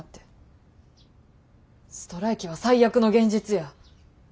ストライキは最悪の現実や。